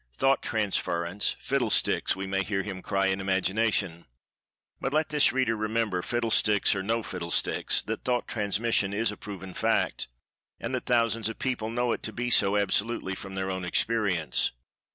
"Thought transference, Fiddlesticks," we may hear him cry, in imagination. But let this reader remember—Fiddlesticks, or no Fiddlesticks—that Thought transmission is a proven fact—and that thousands of people know it to be so, absolutely, from their own experience.